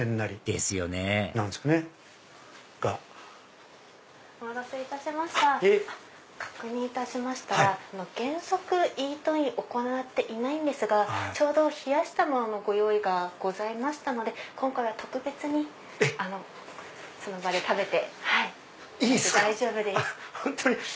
ですよねお待たせいたしました確認いたしましたら原則イートイン行っていないんですがちょうど冷やしたもののご用意がございましたので今回は特別にその場で食べていただいて大丈夫です。